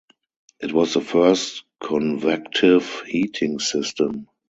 It was the first convective heating system.